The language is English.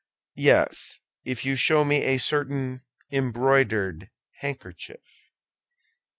"Yes, if you show me a certain embroidered handkerchief."